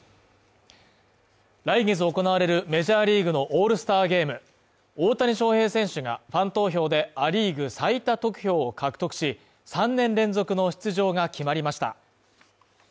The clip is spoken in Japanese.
来月行われるメジャーリーグのオールスターゲーム大谷翔平選手がファン投票でア・リーグ最多得票を獲得し、３年連続の出場が決まりました。